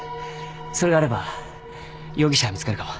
それがあれば容疑者見つかるかも。